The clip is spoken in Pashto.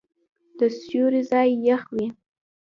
د سیوري ځای یخ وي.